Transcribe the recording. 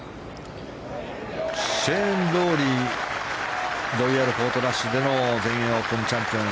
シェーン・ロウリーロイヤル・ポートラッシュでの全英オープンチャンピオン。